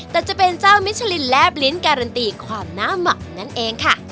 แต่จะเป็นเจ้ามิชลินแลบลิ้นการันตีความหน้าหมักนั่นเองค่ะ